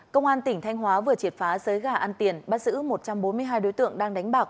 công an tỉnh thanh hóa vừa triệt phá giới gà ăn tiền bắt giữ một trăm bốn mươi hai đối tượng đang đánh bạc